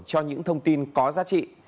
cho những thông tin có giá trị